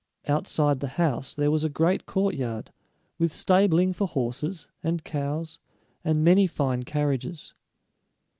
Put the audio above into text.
Outside the house there was a great courtyard, with stabling for horses, and cows, and many fine carriages.